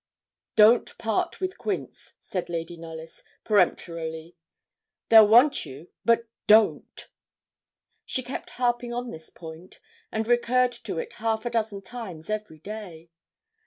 'Don't part with Quince,' said Lady Knollys, peremptorily 'they'll want you, but don't.' She kept harping on this point, and recurred to it half a dozen times every day.